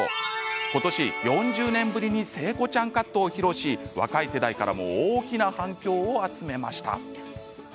ことし、４０年ぶりに聖子ちゃんカットを披露し若い世代から大きな反響を集めました。